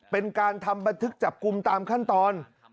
เป็นการทำบันทึกจับกลุ่มตามขั้นตอน